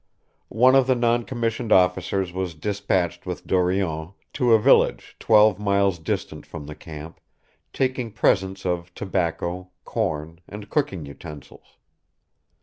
One of the non commissioned officers was dispatched with Dorion to a village twelve miles distant from the camp, taking presents of tobacco, corn, and cooking utensils.